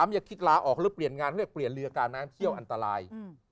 ๓อย่าคิดล้าออกแล้วเปลี่ยนงานเพื่อเปลี่ยนเรือการนางเที่ยวอันตราย